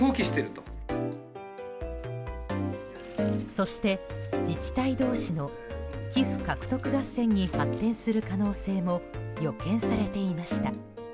そして、自治体同士の寄付獲得合戦に発展する可能性も予見されていました。